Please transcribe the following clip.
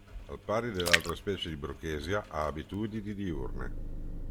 Al pari delle altre specie di "Brookesia" ha abitudini diurne.